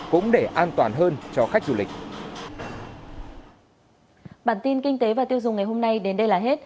cũng để an toàn hơn cho khách du lịch